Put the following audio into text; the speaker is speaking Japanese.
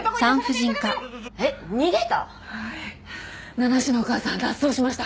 名無しのお母さん脱走しました。